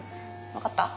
わかった？